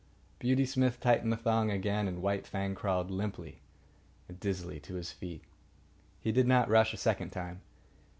Beauty Smith tightened the thong again, and White Fang crawled limply and dizzily to his feet. He did not rush a second time.